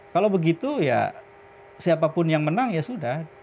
kalau begitu ya siapapun yang menang ya sudah